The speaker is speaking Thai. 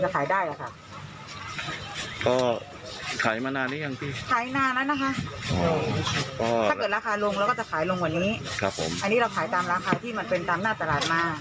ขายตามราคาที่มันเป็นตามหน้าตลาดมา